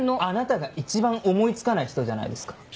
あなたが一番思い付かない人じゃないですか。